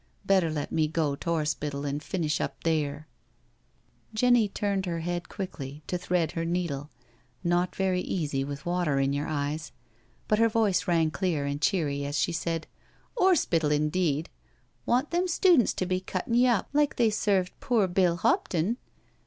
Better let me go t'orspital an' finish up theer." Jenny turned her head quickly to thread her needle — not very easy with water in your eyes— but her voice rang clear and cheery as she said: " 'Orspital, indeed I Want them students to be cuttin' ye up like they served poor Bill Hopton?